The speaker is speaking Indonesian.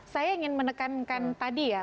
saya ingin menekankan tadi ya